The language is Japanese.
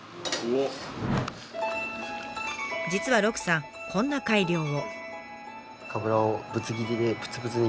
実は鹿さんこんな改良を。